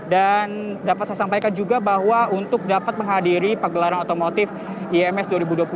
dan dapat saya sampaikan juga bahwa untuk dapat menghadiri pagelaran otomotif ims dua ribu dua puluh tiga